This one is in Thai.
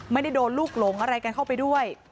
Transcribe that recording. ไม่ได้โดนลูกหลงอะไรกันเข้าไปด้วย